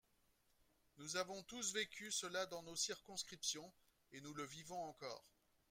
Nous avons tous vécu cela dans nos circonscriptions, et nous le vivons encore.